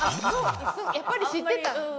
やっぱり知ってたの？